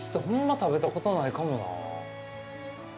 食べたことないかもな。